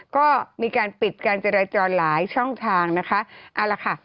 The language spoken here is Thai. ก็มีการปิดการเจรจรหลายช่องทางนะคะ